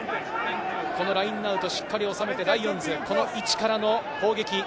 このラインアウト、しっかり収めて、ライオンズ、この位置からの攻撃。